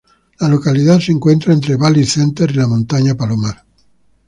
La localidad se encuentra entre Valley Center y la Montaña Palomar.